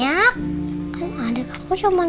apa adiknya bang